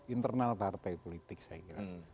internal partai politik saya kira